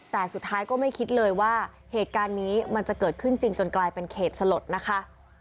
แต่สุดท้ายก็ไม่คิดเลยว่าเหตุการณ์นี้มันจะเกิดขึ้นจริงจนกลายเป็นเหตุสลดนะคะ